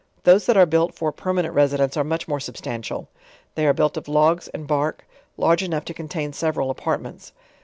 Those that are built for a permanent residence are mnch more substantial; they are built of logs and bark, large enough to contain several apartments.